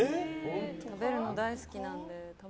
食べるの大好きなので。